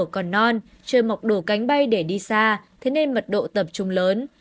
còn non chơi mọc đổ cánh bay để đi xa thế nên mật độ tập trung lớn